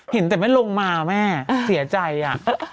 เห็นแต่ไม่ลงมาแม่เสียใจอ่ะ